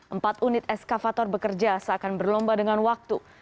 empat unit eskavator bekerja seakan berlomba dengan waktu